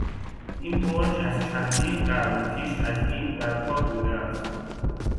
این برج از چندین قرن پیش از این برپا بوده است.